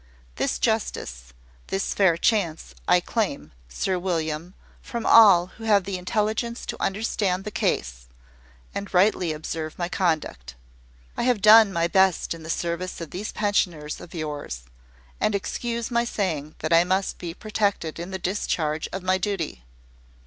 This justice, this fair chance, I claim, Sir William, from all who have the intelligence to understand the case, and rightly observe my conduct. I have done my best in the service of these pensioners of yours; and excuse my saying that I must be protected in the discharge of my duty."